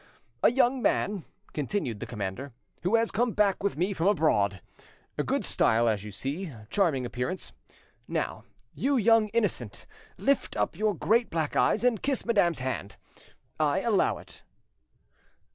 "A young man," continued the commander, "who has come back with me from abroad. Good style, as you see, charming appearance. Now, you young innocent, lift up your great black eyes and kiss madame's hand; I allow it."